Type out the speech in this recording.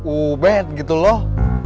ubed gitu loh